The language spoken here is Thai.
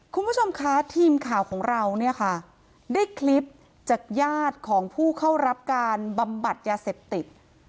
คุณผู้ชมคะทีมข่าวของเราเนี่ยค่ะได้คลิปจากญาติของผู้เข้ารับการบำบัดยาเสพติด